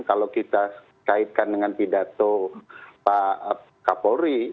kalau kita kaitkan dengan pidato pak kapolri